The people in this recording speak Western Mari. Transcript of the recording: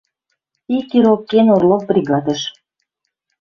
Ик ирок кен Орлов бригадыш